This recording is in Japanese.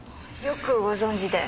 よくご存じで。